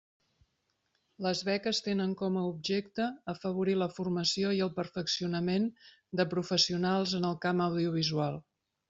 Les beques tenen com a objecte afavorir la formació i el perfeccionament de professionals en el camp audiovisual.